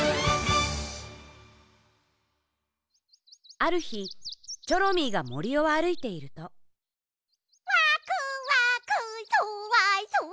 あるひチョロミーがもりをあるいているとワクワクソワソワ。